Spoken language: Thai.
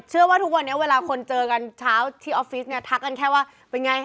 เชื่อว่าทุกวันนี้เวลาคนเจอกันเช้าที่ออฟฟิศเนี่ยทักกันแค่ว่าเป็นไง